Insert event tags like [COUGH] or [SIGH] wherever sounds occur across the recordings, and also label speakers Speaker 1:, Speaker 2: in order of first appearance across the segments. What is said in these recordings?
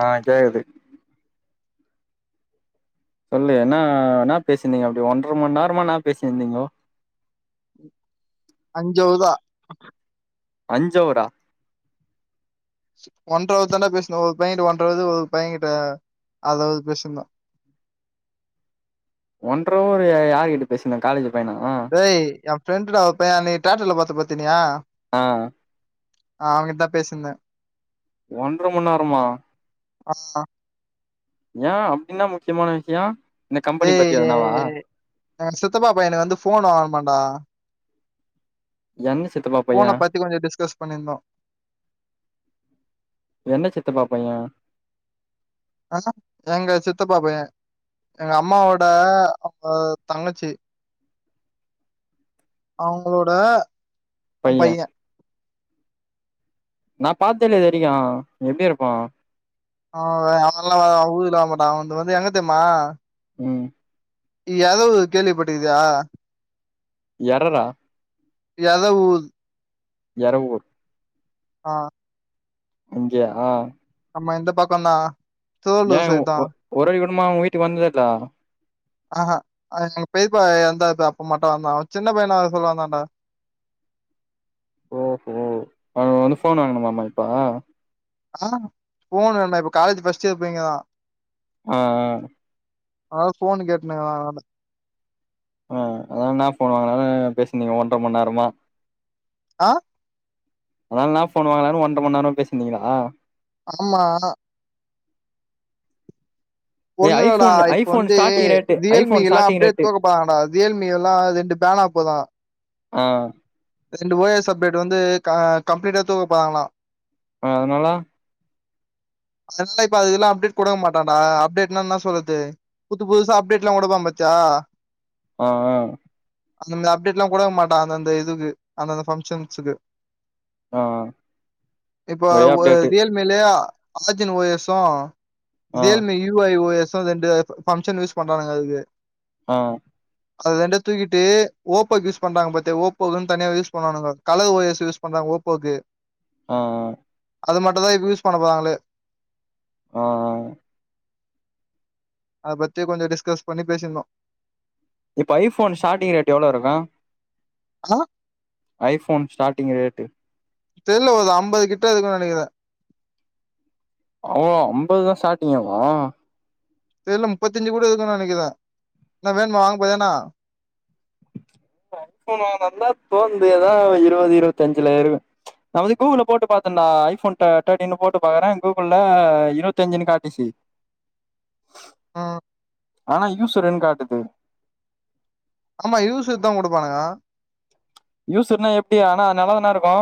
Speaker 1: ஆ கேக்குது சொல்லு என்னா என்னா பேசிருந்தீங்க அப்டி ஒன்றரை மணி நேரமா என்னா பேசியிருந்தீங்கோ
Speaker 2: அஞ்சவ்தா
Speaker 1: அஞ்சவரா
Speaker 2: ஒன்றவர்தாண்டா பேசின ஒரு பையனிட்ட ஒன்றவரு ஒரு பையனிட்ட அரவரு பேசிருந்தோ
Speaker 1: ஒன்ற அவரு யா யார்கிட்ட பேசிருந்தா காலேஜ் பையனா
Speaker 2: டேய் எ ஃப்ரெண்டுடா ஒரு பைய அன்னிக்கி தியேட்டருல பாத்த பாத்தினியா
Speaker 1: ஆ
Speaker 2: அவங்கிட்ட பேசிருந்தே
Speaker 1: ஒன்ற மணி நேரமா
Speaker 2: அ ஆ
Speaker 1: ஏ அப்டி என்னா முக்கியமான விஷ்யோ இந்த கம்பெனி பத்தி
Speaker 2: டேய்
Speaker 1: எதுனாவா
Speaker 2: எங்க சித்தப்பா பையனுக்கு வந்து ஃபோன் வாங்கனுமாடா
Speaker 1: எந்த சித்தப்பா பைய
Speaker 2: ஃபோனை பத்தி கொஞ்சம் டிஸ்கஸ் பண்ணியிருந்தோம்
Speaker 1: எந்த சித்தப்பா பைய
Speaker 2: அ எங்க சித்தப்பா பைய எங்க அம்மாவோட அ தங்கச்சி அவங்களோட பைய
Speaker 1: நா பாத்தேல்லையே இதுவரைக்கு எப்டி இருப்போ
Speaker 2: அவ அவல்லா வ ஊருலவரமாட்டா அவ வந்து எங்க தெரிமா
Speaker 1: ம்
Speaker 2: எரவு கேள்விப்பட்டிருக்கியா
Speaker 1: எரரா
Speaker 2: எரவுத்
Speaker 1: எர ஊர்
Speaker 2: ஆ
Speaker 1: அங்க ஆ
Speaker 2: ஆமா இந்த பக்கொந்தா
Speaker 1: ஏ ஒ ஒரே குடும்மா உங்க வீட்டுக்கு வந்ததல்ல
Speaker 2: ஆ ஹா எங்க பேப்பா எந்தாது அப்ப மட்டு வந்தா அவ சின்ன பையந்த அத சொல்ல வந்தான்டா
Speaker 1: ஓஹோ அவ வந்து ஃபோன் வாங்கனுமாமா இப்ப
Speaker 2: ஆ ஃபோன் வேணா இப்ப காலேஜ் ஃபஸ்ட் இயர் பொய்ங்கதா
Speaker 1: ம் ம்
Speaker 2: அத ஃபோன் கேட்டுன் இருக்கிறா என்னான்ட
Speaker 1: ஆ அத நா ஃபோன் வாங்கினாலு பேசிந்தீங்க ஒன்ற மண் நேரமா
Speaker 2: ஆ
Speaker 1: அதனால என்ன ஃபோன் வாங்கலானு ஒன்ற மண் நேரமா பேசிந்தீங்களா
Speaker 2: ஆமா
Speaker 1: ஏ
Speaker 2: ஒன்னுல்லடா
Speaker 1: ஐஃபோன்
Speaker 2: இப்ப
Speaker 1: ஐஃபோன்
Speaker 2: வந்து
Speaker 1: ஸ்டார்டிங் ரேட்டு
Speaker 2: ரியல்மீ
Speaker 1: ஐஃபோன்
Speaker 2: எல்லா
Speaker 1: ஸ்டார்டிங்
Speaker 2: அப்டியே
Speaker 1: ரேட்டு
Speaker 2: தோக்கபோறாங்கடா ரியல்மீ எல்லா ரெண்டு பேனாபோது
Speaker 1: ஆ
Speaker 2: ரெண்டு ஓ எஸ் அப்டேட் வந்து கம்ப்ளீட்டா தூக்கப்போறாங்களா
Speaker 1: அ அதனால
Speaker 2: அதனால இப்ப அதுக்கெல்லா அப்டேட் குடுக்க மாட்டாடா அப்டேட்னா என்ன சொல்றது புது புதுசா அப்டேட்லா உடுவா பாத்யா
Speaker 1: அ அ
Speaker 2: அந்தந்த அப்டேட்ல்லா குடுக்க மாட்டா அந்தந்த இதுக்கு அந்தந்த பங்க்ஷன்ஸூக்கு
Speaker 1: ஆ
Speaker 2: இப்ப
Speaker 1: ஒரே
Speaker 2: ஒர்
Speaker 1: அப்டேட்டு
Speaker 2: ரியல் மீலே ஆ ஜின் ஓ எஸ்சு
Speaker 1: ஆ
Speaker 2: Realme U I O S ரெண்டு பங்க்ஷன் யூஸ் பண்றானுங்க அதுக்கு
Speaker 1: ம்
Speaker 2: அது ரெண்டயு தூக்கிட்டு ஓப்போக்கு யூஸ் பண்றாங்க பாத்தி ஓப்போக்குன்னு தனியா யூஸ் பண்ணாணுங்க கழவு ஓ எஸ் யூஸ் பண்றாங்க ஓப்போக்கு
Speaker 1: ம் ம்
Speaker 2: அது மட்டுதா இப்ப யூஸ் பண்ண போறாங்களே
Speaker 1: ம் ம்
Speaker 2: அத பத்தி கொஞ்சோ டிஸ்கஸ் பண்ணி பேசிந்தோ
Speaker 1: இப்ப ஐஃபோன் ஸ்டாட்டிங் ரேட் எவ்ளோ இருக்கு
Speaker 2: ஆ
Speaker 1: ஐபோன் ஸ்டாட்டிங் ரேட்டு
Speaker 2: தெர்ல ஒரு ஐம்பது கிட்ட இருக்குன்னு நெனைக்கிறே
Speaker 1: அவ்ளோ ஐம்பதுதா ஸ்டாட்டிங்கேவா
Speaker 2: தெர்ல முப்பத்தஞ்சு கூட இருக்குனு நெனைக்கிறே என்ன வேணுமா வாங்க போறியா என்ன [INAUDIBLE]
Speaker 1: இப்ப ஐஃபோன் வாங்றதா இருந்தா போ முடியாத ஒரு இருவது இருபத்தஞ்சுல இருக்கு நா வந்து கூகுள்ல போட்டு பாத்தேன்டா ஐஃபோன் தேட்டீன்னு போட்டு பாக்றே கூகுள்ல இருபத்தஞ்சு காட்டிச்சி
Speaker 2: ஆ
Speaker 1: ஆனா யூசுர்ன்னு காட்டுது
Speaker 2: ஆமா யூசுத்தா குடுப்பானுங்க
Speaker 1: யூசுர்னா எப்டி ஆனா நல்லதானா இருக்கு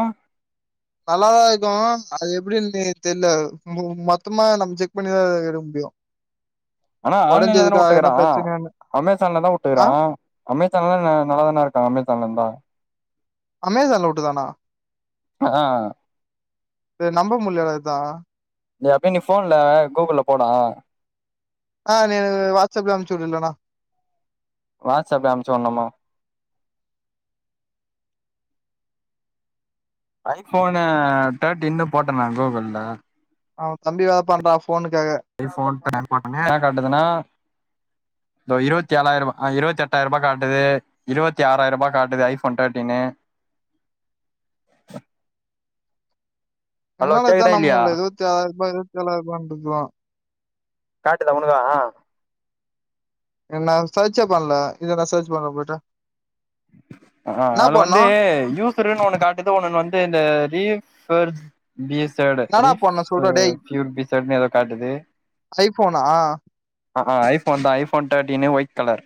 Speaker 2: நல்லாதா இருக்கு அது எப்டின்னு தெர்ல மு மொத்தமா நம்ம செக் பண்ணிதா எடுக்க முடியு
Speaker 1: ஆனா ஆன்லைன்ல தான
Speaker 2: ஒடஞ்சதுக்கா
Speaker 1: விட்டுக்குறா
Speaker 2: எதனா பிரச்சன
Speaker 1: அமேசான்ல தா
Speaker 2: ஆ
Speaker 1: விட்டுக்குறா அமேசான்லா ந நல்லாதான இருக்கா அமேசான்லந்தா
Speaker 2: அமேசான்ல விட்டு தானா
Speaker 1: ஆ
Speaker 2: இத நம்ப முடியலசா
Speaker 1: நீ அப்பய நீ போன்ல கூகுள் போடா
Speaker 2: ஆ நீ வாட்ஸ்அப்ல அப்ச்சு விடு இல்லண்ணா
Speaker 1: வாட்ஸ்ஸப்ல அமிச்சி விடனுமா ஐபோனு டர்டின்னு போட்டனா கூகுல்ல
Speaker 2: அவ தம்பி வாப்பாண்றா போனுக்காக
Speaker 1: ஐபோன் [INAUDIBLE] கா காட்டுதுன இருவத்தி ஏழாயிரூவா அ இருவத்தி எட்டாயிரூபா காட்டுது இருவத்தி ஆறாயிரரூபா காட்டுது ஃஐபோன் தேர்ட்டினனு ஹலோ
Speaker 2: என்னால இத்தா
Speaker 1: கேக்குதா
Speaker 2: நம்ம
Speaker 1: இல்லையா
Speaker 2: முடில இருவத்தி ஆறாயிரூபா இருவத்தி ஏழாயிரம்னு இருக்குமா
Speaker 1: காட்டுதா உன்னுதா
Speaker 2: இது நா சர்ச்சே பண்ணல இத நா சர்ச் பண்ணுற போட்ட
Speaker 1: அ ஆ அது
Speaker 2: பண்ணு
Speaker 1: வந்து யூ [UNINTELLIGIBLE] காட்டுது இன்னொன்னு வந்து இந்த ரில்ஸ் வெர்ஸ் பிசட
Speaker 2: என்னடா பண்ணு சொல்றா டேய்
Speaker 1: பூ [UNINTELLIGIBLE] பிசதனு எதோ காட்டுது
Speaker 2: ஐஃபோனா
Speaker 1: ஆ ஆ ஐஃபோன் தா iPhone thirteen white colour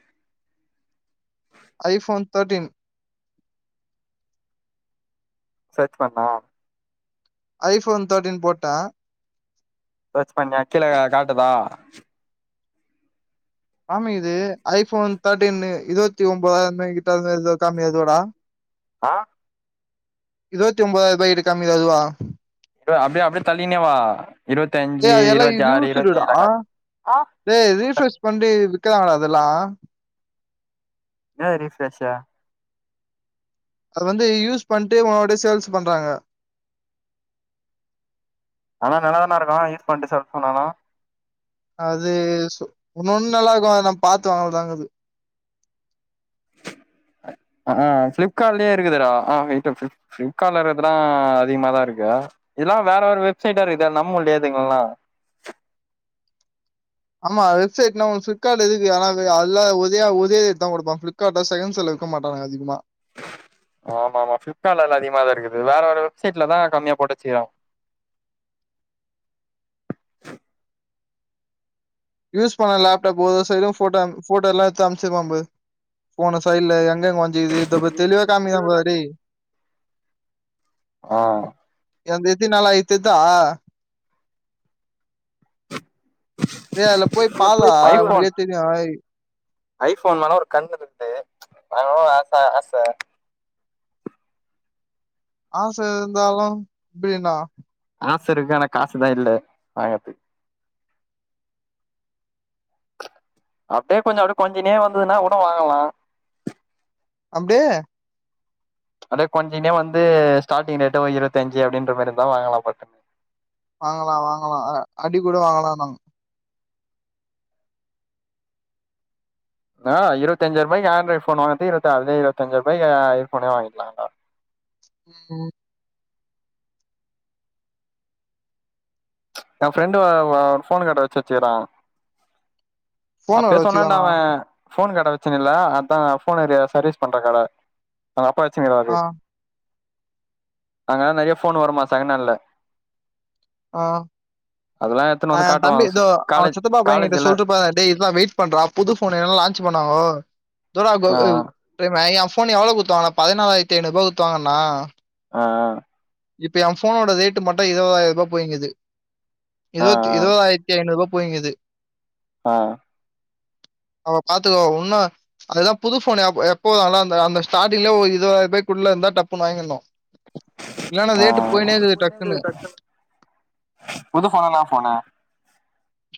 Speaker 2: iPhone thirteen
Speaker 1: search பண்ணா
Speaker 2: ஐபோன் தேர்ட்டீன் போட்ட
Speaker 1: சர்ச் பண்ணிய கீழ காட்டுதா
Speaker 2: ஆமா இது ஐஃபோன் தேர்டீன் இருவத்தி ஒம்பதாயிர கிட்ட அது இது கம்மி அதுவாடா [INAUDIBLE]
Speaker 1: ஆ
Speaker 2: இருவத்தி ஒம்போதாய்ரூபாய்க்கு இருக்காமே அது இதுவா
Speaker 1: அப்டியே அப்டியே தள்ளினேவா இருவத்தி அஞ்சு
Speaker 2: டேய் அது எல்லா
Speaker 1: இருவத்தி ஆறு இருவத்தி ஏழு கா ஆ
Speaker 2: டே ரீஃப்ரெஷ் பண்ணி விற்கதாங்கடா அதெல்லா
Speaker 1: ஏ ரிஃப்ரஷா
Speaker 2: அது வந்து யூஸ் பண்ணிட்டேவு அப்டியே சேல்ஸ் பண்றாங்க
Speaker 1: ஆனா நல்லாதான இருக்கு யூஸ் பண்ட்டு சேல்ஸ் பண்ணாலு
Speaker 2: அது சு இன்னொன்னு நல்லாருக்கு அது நம்ம பாத்துவாங்களதாங்கது [INAUDIBLE]
Speaker 1: அ ஆ பிளிப்கார்ட்லயே இருக்குதுடா ஆ [UNINTELLIGIBLE] பிளிப்கார்ட்ல இருக்குறதெல்லா அதிகமாதா இருக்கு இதெல்லா வேற வேற வெப்சைட்டா இருக்குது நம்ம இல்லையாதுங்கல்லா
Speaker 2: ஆமா வெப்சைட்னா உ பிளிப்கார்ட் இருக்கு ஆன அதல்லா உதயா உதயா தா கொடுப்பா பிளிக்கார்ட்ல செகண்ட்ஸ்ல இருக்க மாட்டானுங்க அதிகமா
Speaker 1: ஆமா ஆமா பிளிப்கார்ட்ல எல்லா அதிகமாதா இருக்குது வேற வேற வெப்சைடல தா கம்மியா போட்டு வச்சுக்குறா
Speaker 2: யூஸ் பண்ண லேப்டாப் ஒவ்வொரு சைுடு போட்டோ அம் போட்டோல எடுத்து அனுப்புச்சிரு வம்பு போன சையில எங்கங்க வ இது தப தெளிவா காமிக்குதா பாருடா டேய்
Speaker 1: ஆ
Speaker 2: இது வந்து எத்திநாலா எத்ததா டேய் அதுலபோய் பாலா உனக்கே தெரியு
Speaker 1: ஐபோன் மேல ஒரு கண் இருக்து வாங்கனு ஆச ஆச
Speaker 2: ஆச இருந்தாலு எப்டின்னா
Speaker 1: ஆசயிருக்கு ஆனா காசுதா இல்ல வாங்குறதுக்கு அப்படியே கொஞ்ச அப்ப கொறஞ்சுனே வந்ததுன்னா உட வாங்கலா
Speaker 2: அப்டியே
Speaker 1: அப்டியே கொஞ்சுன்டே வந்து ஸ்டார்டிங் ரேட்டே இருவத்தஞ்சு அப்டின்ற மாரியிருந்தா வாங்கலா பாத்தே
Speaker 2: வாங்கலா வாங்கலா அடி கூட வாங்கலா நம்
Speaker 1: ஆ இருவத்தஞ்சாயிரூபாய்க்கு ஆண்ட்ராய்ட் ஃபோன் வாங்கறதுக் இருபத்த அதே இருபத்தஞ்சரூபாய்க் யியர்போனே வாங்கிகலான்டா
Speaker 2: ம்
Speaker 1: எ ஃப்ரெண்டு அ போனு கட வச்சு வச்சுருக்குறா
Speaker 2: ஃபோனோட
Speaker 1: அப்பயே சொன்னான்ட
Speaker 2: வச்சுக்கோண்ணா
Speaker 1: அவ ஃபோன் கட வச்சுனு இல்ல அதா ஃபோனுது சர்வீஸ் பண்ற கட அங்க அப்பா வச்சுங்கருவாரு
Speaker 2: ஆ
Speaker 1: அங்கல்லா நெறைய ஃபோன் வருமா செகன்ஹான்ல
Speaker 2: ஆ
Speaker 1: அதெல்லா எத்துன்னு
Speaker 2: ஆ
Speaker 1: வந்து காட்டுவா
Speaker 2: தம்பி எதோ அவ
Speaker 1: காலேஜ்
Speaker 2: சித்தப்பா பையன்கிட்ட
Speaker 1: காலேஜ்ல
Speaker 2: சொல்டுபோராரு டேய் இருடா வெயிட் பண்றா புது ஃபோன் எதுலா லான்ச் பண்ணுவாங்கோ து
Speaker 1: ஆ
Speaker 2: [UNINTELLIGIBLE] சரிம்மா என் ஃபோன் எவ்ளோ குடுத்து வாங்ணே பதினாலாயிரத்து ஐநூறூபா கொத்துவாங்கணன்ணா
Speaker 1: ஆ
Speaker 2: இப்ப எ ஃபோனோட ரேட்டு மட்டு இருபதாயிரரூபா போயிங்குது
Speaker 1: ஆ
Speaker 2: இருவத்தி இருபதாயி ரத்தி ஐநூரூபா போயிங்குது
Speaker 1: ஆ
Speaker 2: அவங்க பாத்துக்கவா ஒன்னு அதுதா புது ஃபோனு எப்போ அதுலா அந்த அந்த ஸ்டாடிங்ல ஒரு இருவதாயிரூபாகுள்ள இருந்தா டப்புன்னு வாங்கிறனு
Speaker 1: ஆ
Speaker 2: இருக்குது டக்குன்னு
Speaker 1: புது ஃபோனுன் தா சொன்னே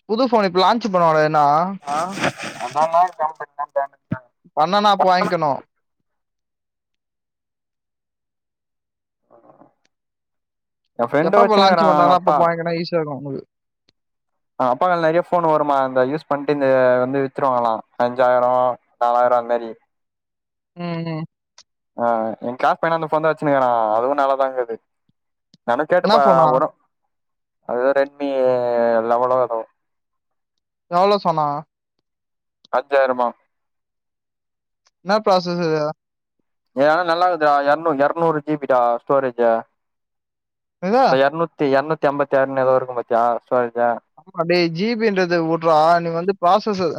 Speaker 2: புது ஃபோன் இப்ப லான்ச் பண்ணுவாங்க எதுனா
Speaker 1: ஆ [UNINTELLIGIBLE]
Speaker 2: பண்ணனா அப்ப வாங்கிக்கணு
Speaker 1: எ ஃப்ரெண்டு
Speaker 2: எப்பப்போ
Speaker 1: வச்சுன்னுக்குறா
Speaker 2: லான்ச்
Speaker 1: அவங்க
Speaker 2: பண்றாங்களோ
Speaker 1: அப்பா
Speaker 2: அப்பப்போ வாங்கிக்கனு ஈசியா இருக்கு உனக்கு
Speaker 1: ஆ அப்பா கடல நெறையா ஃபோன் வருமா அந்த யூஸ் பண்ட்டு இந்த வந்து வித்துருவாங்களா அஞ்சாயிர நாலாயிர அந்மாரி
Speaker 2: ம் ம்
Speaker 1: ஆ எ க்ளாஸ் பையனு அந்த ஃபோன் தா வச்சுனுருக்ரா அதுவு நல்லாதாங்குது வேனா
Speaker 2: என்ன
Speaker 1: கேட்டுப்பாக்றே
Speaker 2: ஃபோனா
Speaker 1: வரு அது ரெட்மீ லெவளோ எதோ
Speaker 2: எவ்ளோ சொன்னாக
Speaker 1: அஞ்சாயிரமா
Speaker 2: என்ன ப்ராசஸ் அதுலா
Speaker 1: ஏனா நல்லா இகுதுடா எரநூ எரநூறு ஜி பிடா ஸ்டோரேஜ்
Speaker 2: இது
Speaker 1: எரநூத் தி எரநூத்திஅம்பத்தாறுனு எதோ இருக்கு பாத்தியா ஸ்டோரெஜூ
Speaker 2: அடேய் ஜி பின்றது வுட்றா நீ வந்து ப்ராசஸர்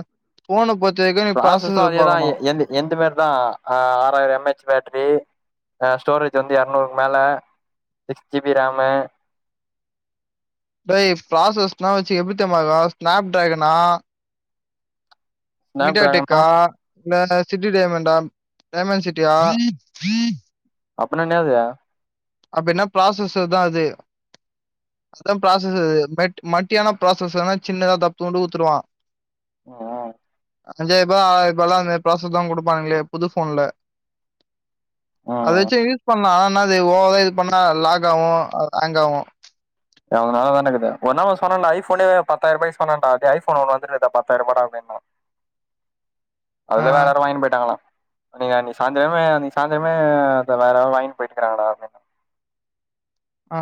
Speaker 2: போன பத்தி எதுவு நீ
Speaker 1: ப்ராசஸும்
Speaker 2: ப்ராசஸர்
Speaker 1: அதே தான்
Speaker 2: பாக்கணு
Speaker 1: எந்த எந்த மாரி தா ஆறாயிர எம் ஹச் பேட்டரி அ ஸ்டோரேஜ் வந்து எரநூறு மேல சிக்ஸ் ஜி பி ராமு
Speaker 2: டேய் ப்ராசஸ்னா வச்சு எப்டித்தெரிமாயிருக்கு ஸ்னாப் ட்ராகனா
Speaker 1: ஸ்னாப் டிராகனா
Speaker 2: மீட்டாடெக்கா இல்ல சிட்டி டைமண்டா டைமண்ட் சிட்டியா
Speaker 1: அப்பினா என்னாது
Speaker 2: அப்பின்னா ப்ராசஸர்தா அது அதா ப்ராசஸர்து மெட் மட்டியான ப்ராசஸ்னா சின்னதா தப்த்தூண்டு குத்துருவா
Speaker 1: அ ஆ
Speaker 2: அஞ்சாயிர ருபா ஆராயிர ருபால்லா அந்த ப்ராசஸ்ல்லா குடுப்பாங்ளே புது ஃபோன்ல அத
Speaker 1: ம்
Speaker 2: வெச்சு யூஸ் பண்லா ஆனா அது ஒவரா இது பண்ணா லாக் ஆகு ஹேங் ஆகு
Speaker 1: எ அவுங்கனால தான இக்குது ஒ ஒரு நா சொன்னன்டா ஐ ஃபோனே பத்தாயிரருபாய் சொன்னண்டா டேய் ஐ ஃபோன் ஒன்னு வந்துருக்குடா பத்தாயிரரூபாடா அப்டின்னோ அதுல
Speaker 2: ஆ
Speaker 1: வேற யாரோ வாங்கின்னு போயிட்டாங்ளா அன்னைக் அன்னைக்கு சாய்ந்தரமே அன்னைக்கு சாய்ந்தரமே அத வேற யாரோ வாங்கின்னு போயிட்டுக்காங்டா அப்டின்னா
Speaker 2: ஆ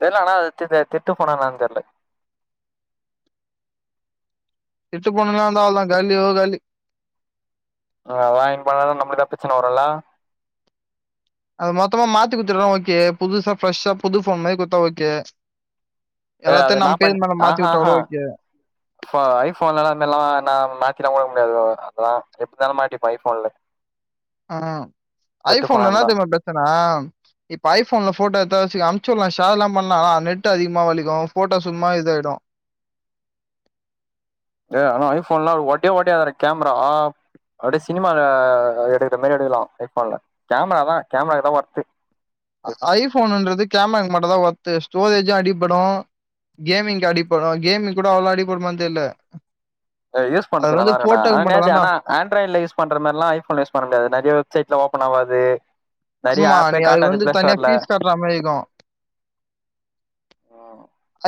Speaker 1: தெர்ல ஆனா அது தித் திட்டு ஃபோனா என்னனு தெர்ல
Speaker 2: திட்டு ஃபோண்ணந்தல்லா காலியோ காலி
Speaker 1: அவுங்க வாங்கின்னு போனாலு நம்மளுக்தா பெச்சன வருல்ல
Speaker 2: அது மொத்தமா மாத்தி குத்துருனா ஓகே புதுசா ஃப்ரெஷ்ஷா புது ஃபோன் மாதி குத்தா ஓகே
Speaker 1: ஏ அது
Speaker 2: எல்லாத்தயு
Speaker 1: நா
Speaker 2: நம் பேர் மேடம் மாத்தி விட்டா கூட ஓகே
Speaker 1: ஃபா ஐ ஃபோன்லந்திதெல்லா வேணா மாத்தி எல்லா விட முடியாது அதெல்லா எப்படினாலூ மாட்டிப்போ ஐ ஃபோன்ல
Speaker 2: ம் ஐ
Speaker 1: ஃபோனா
Speaker 2: ஃபோன்ல என்னா
Speaker 1: இருந்தா
Speaker 2: தெரிமா பிரச்சன இப்ப ஐ ஃபோன்ல போட்டோ எதாச்சு அனுப்ச்சு விடலா ஷேர் எல்லா பண்லா ஆனா நெட் அதிகமா வலிக்கு போட்டோ சும்மா இத ஆயிடு
Speaker 1: சே ஆனா ஐ ஃபோன்ல்லா ஒட ஒடயாது அது கேமரா ஆ அப்டியே சினிமால அத எடுக்கற மாரி எடுக்கலா ஐ ஃபோன்ல கேமராதா கேமராதா ஒர்த்து ஐஃபோன்
Speaker 2: ஐ ஃபோனுன்றது கேமராக்கு மட்டுந்தா ஒர்த்து ஸ்டோரேஜு அடிபடு கேமிங்க்கு அடிப்படு கேமிங் கூட அவ்ளோ அடிபடுமானு தெர்ல
Speaker 1: யூஸ்
Speaker 2: அது
Speaker 1: பண்ணதுக்கு நல்லா
Speaker 2: வந்து
Speaker 1: இருக்குணா ஆனா
Speaker 2: போட்டோக்கு
Speaker 1: நேத்து
Speaker 2: மட்டுந்தான்டா
Speaker 1: ஆனா ஆண்ட்ராய்ட்ல யூஸ் பண்ற மாரில்லா ஐ ஃபோன்ல யூஸ் பண்ண முடியாது நெறயா வெப் சைட்ல ஓப்பன் ஆவாது நெறைய
Speaker 2: ஆமா
Speaker 1: ஆப்பே
Speaker 2: நீ அதுக்கு
Speaker 1: காட்டாது
Speaker 2: வந்து
Speaker 1: பிளே
Speaker 2: தனியா
Speaker 1: ஸ்டோர்ல
Speaker 2: ஃபீஸ் கட்ற மாரி இருக்கு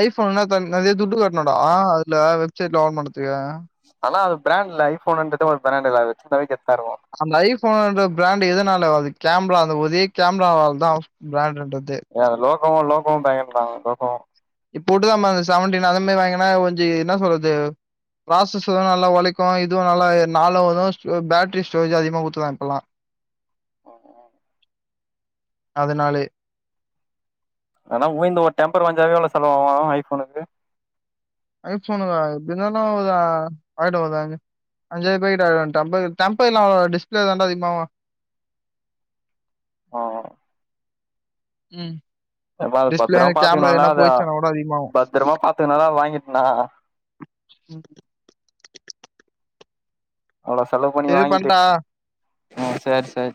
Speaker 2: ஐ ஃபோன்னா த நெறயா துட்டு கட்டனுடா அதுல வெப் சைட்ல [UNINTELLIGIBLE]
Speaker 1: ஆனா அது பிராண்ட்ல்ல ஐ ஃபோன்றது ஒரு பிராண்ட்தா வெச்சிந்தாலே கெத்தா இருக்கு
Speaker 2: அந்த ஐ ஃபோனுன்ற பிராண்ட் எதனால அது கேமரா அந்த ஒரே கேமராவளாதா பிராண்ட்டுன்றதே
Speaker 1: ஏ அது லோகோமோ லோகோம்ன்றாங்க [UNINTELLIGIBLE] லோகோமோ
Speaker 2: இப்போ விட்டுதான்ம்மா செவன்டீன் அந்த மாரி வாங்கினா கொஞ்சோ என்ன சொல்றது ப்ராசஸஸு நல்லா உழைக்கு இதுவு நல்லா நாலு வரு பேட்டரி ஸ்டோரேஜ் அதிகமா குடுத்திருக்காங்க இப்பெல்லா
Speaker 1: ஆமா
Speaker 2: அதுனாலயே
Speaker 1: ஆனா வூந்து ஒரு டெம்பர் ஒடஞ்சாவே எவ்ளோ செலவாகு ஐ ஃபோனுக்கு
Speaker 2: ஐ ஃபோனுகா எப்டி இருந்தாலூ ஒரு ஆயிடு அது அஞ்சாயிருபா கிட்ட ஆயிடு டெம்பர் டெம்பர்ல்லா அவ்ளோ வா டிஸ்பேலே தாண்டா அதிகமா ஆவு
Speaker 1: ஆமா
Speaker 2: ம்
Speaker 1: எப்ப அது
Speaker 2: டிஸ்ப்ளே
Speaker 1: பத்திரமா
Speaker 2: கேமரா
Speaker 1: பாத்துக்கணுல்ல
Speaker 2: எதுனா
Speaker 1: அத
Speaker 2: போயிடுச்சுனா கூட அதிகமாகும்.
Speaker 1: பத்திரமா பாத்துக்கணுல அத வாங்கிட்ண்ணா
Speaker 2: ம்
Speaker 1: அவ்ளோ செலவு பண்ணி
Speaker 2: சரி
Speaker 1: வாங்கிட்டு
Speaker 2: பண்ட்டா?
Speaker 1: ஆ சேரி சேரி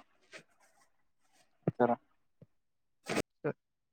Speaker 1: செர்ணா
Speaker 2: ஆஹ